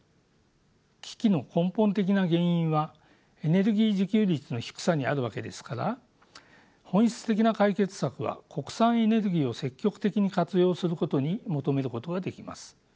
危機の根本的な原因はエネルギー自給率の低さにあるわけですから本質的な解決策は国産エネルギーを積極的に活用することに求めることができます。